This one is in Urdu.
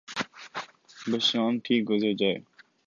بس شام ٹھیک گزر جائے۔